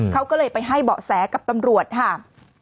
เขาก็เลยไปให้เบาะแสกับตำรวจค่ะ